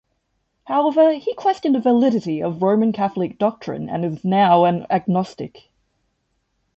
However, he questioned the validity of Roman Catholic doctrine and is now an agnostic.